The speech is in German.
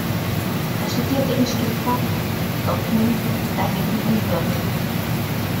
Er studierte in Stuttgart, Dortmund, Berlin und Berkeley.